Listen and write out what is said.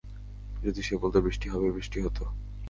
যদি সে বলতো বৃষ্টি হবে, বৃষ্টি হতো।